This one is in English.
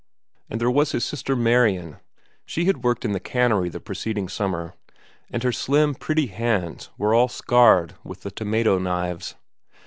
And there was his sister Marian. She had worked in the cannery the preceding summer, and her slim, pretty hands were all scarred with the tomato knives.